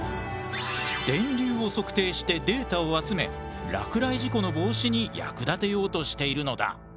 電流を測定してデータを集め落雷事故の防止に役立てようとしているのだ。